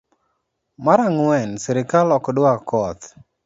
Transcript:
mar ang'wen srikal ok dwa koth